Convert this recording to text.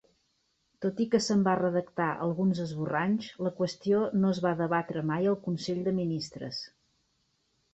Tot i que se'n van redactar alguns esborranys, la qüestió no es va debatre mai al consell de ministres.